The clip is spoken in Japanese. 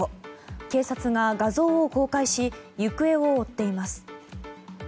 警察が画像を公開し行方を追っています。